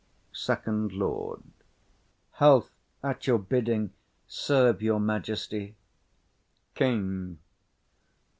SECOND LORD. Health, at your bidding serve your majesty! KING.